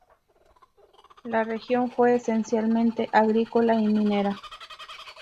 La región fue esencialmente agrícola y minera.